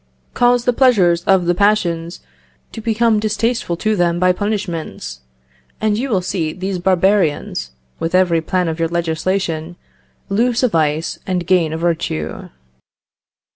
Cause the pleasures of the passions to become distasteful to them by punishments, and you will see these barbarians, with every plan of your legislation, lose a vice and gain a virtue.